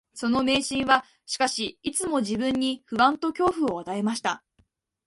その迷信は、しかし、いつも自分に不安と恐怖を与えました